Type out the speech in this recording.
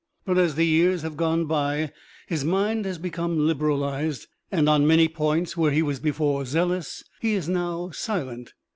But as the years have gone by, his mind has become liberalized, and on many points where he was before zealous he is now silent.